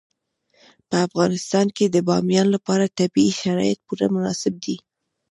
په افغانستان کې د بامیان لپاره طبیعي شرایط پوره مناسب دي.